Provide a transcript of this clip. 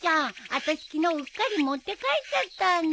あたし昨日うっかり持って帰っちゃったんだ。